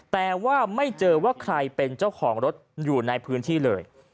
แต่ว่าไม่เจอว่าใครเป็นเจ้าของรถอยู่ในพื้นที่เลย